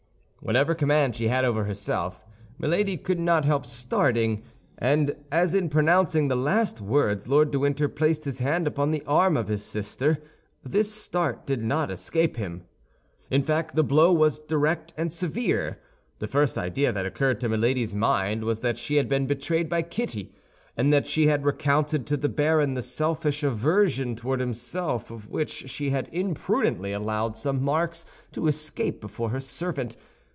Whatever command she had over herself, Milady could not help starting; and as in pronouncing the last words Lord de Winter placed his hand upon the arm of his sister, this start did not escape him. In fact, the blow was direct and severe. The first idea that occurred to Milady's mind was that she had been betrayed by Kitty, and that she had recounted to the baron the selfish aversion toward himself of which she had imprudently allowed some marks to escape before her servant.